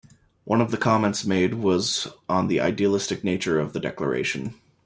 One of the comments made was on the idealistic nature of the Declaration.